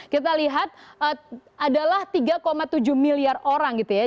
kita lihat adalah tiga tujuh miliar orang gitu ya